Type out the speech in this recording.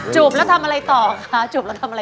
จูบแล้วทำอะไรต่อค่ะ